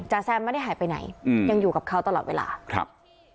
แซมไม่ได้หายไปไหนอืมยังอยู่กับเขาตลอดเวลาครับ